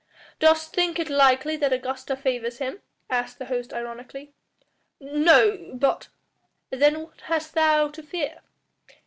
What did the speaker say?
"Dost think it likely that the Augusta favours him?" asked the host ironically. "No but " "Then what hast thou to fear?"